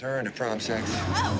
selamat datang di indonesia kamikaze